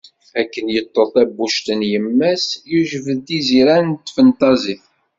Akken yeṭṭeḍ tabbuct n yemma-s, yejbed iziran n tfenṭazit.